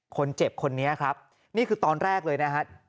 คนเจ็บคนนี้ครับนี่คือตอนแรกเลยนะครับ